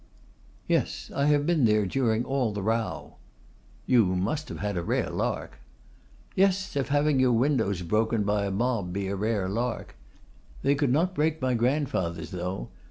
'Yes, I have been there during all the row.' 'You must have had a rare lark.' 'Yes, if having your windows broken by a mob be a rare lark. They could not break my grandfather's, though.